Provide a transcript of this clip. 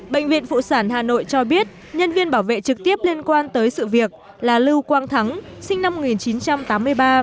bệnh viện phụ sản hà nội cho biết nhân viên bảo vệ trực tiếp liên quan tới sự việc là lưu quang thắng sinh năm một nghìn chín trăm tám mươi ba